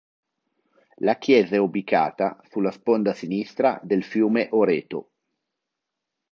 La chiesa è ubicata sulla sponda sinistra del fiume Oreto.